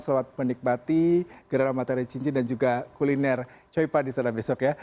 selamat menikmati gerhana matahari cincin dan juga kuliner coipa di sana besok ya